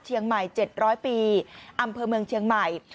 เชียงใหม่๗๐๐ปีอำเภอเมืองเชียงใหม่